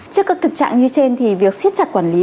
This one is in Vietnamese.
trước các thực trạng như trên thì việc siết chặt quản lý